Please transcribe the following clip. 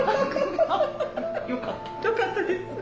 よかったです。